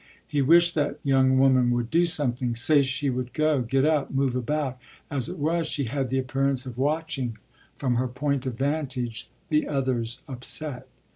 He wished that young woman would do something say she would go, get up, move about; as it was she had the appearance of watching from her point of vantage the other's upset.